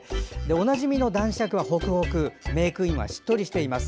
おなじみの男爵はホクホクメークインはしっとりしています。